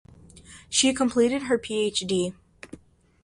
She completed her PhD.